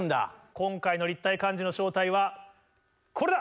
今回の立体漢字の正体はこれだ！